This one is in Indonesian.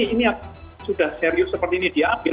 ini yang sudah serius seperti ini diambil